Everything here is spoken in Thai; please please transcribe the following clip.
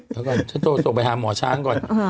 พอเวลาเจ้าส่งไปดูจะหาหมอช้าง